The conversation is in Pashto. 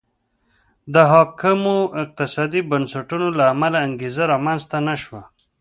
د حاکمو اقتصادي بنسټونو له امله انګېزه رامنځته نه شوه.